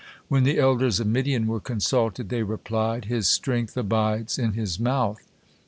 When the elders of Midian were consulted, they replied, "His strength abides in his mouth."